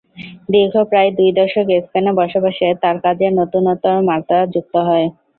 দীর্ঘ প্রায় দুই দশক স্পেনে বসবাসে তাঁর কাজে নতুনতর মাত্রা যুক্ত হয়।